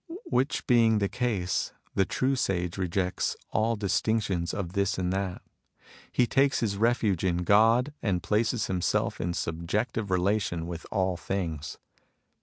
Which being the case, the true sage rejects all distinctions of this and that. He takes his refuge in God, and places himself in subjective relation with all things.